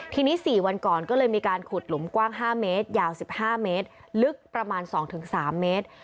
ทีนี้๔วันก่อนก็เลยมีการขุดหลุมกว้าง๕เมตรยาว๑๕เมตรลึกประมาณ๒๓เมตร